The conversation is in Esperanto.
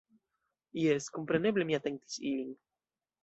Jes, kompreneble mi atentis ilin.